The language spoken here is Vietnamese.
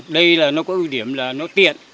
đây là nó có ưu điểm là nó tiện